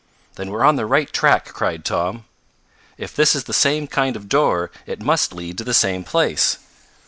"Then we're on the right track!" cried Tom. "If this is the same kind of door, it must lead to the same place.